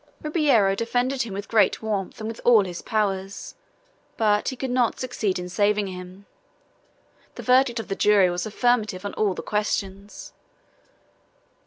Ribeiro defended him with great warmth and with all his powers, but he could not succeed in saving him. The verdict of the jury was affirmative on all the questions.